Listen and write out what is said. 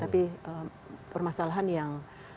tapi permasalahan yang